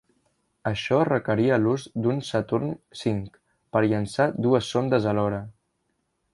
Això requeria l'ús d'un Saturn V per llançar dues sondes alhora.